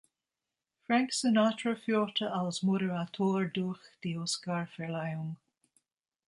Frank Sinatra führte als Moderator durch die Oscarverleihung.